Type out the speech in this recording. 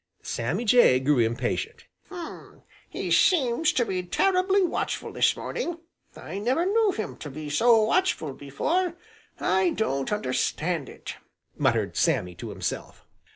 Sammy Jay grew impatient. "He seems to be terribly watchful this morning. I never knew him to be so watchful before. I don't understand it," muttered Sammy to himself.